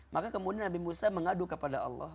maka kemudian nabi musa mengadu kepada allah